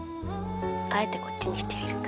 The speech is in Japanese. あえてこっちにしてみるか。